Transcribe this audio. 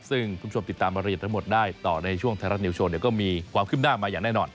ซึ่งคุณผู้ชมติดตามรายละเอียดทั้งหมดได้ต่อในช่วงไทยรัฐนิวโชว์เดี๋ยวก็มีความขึ้นหน้ามาอย่างแน่นอน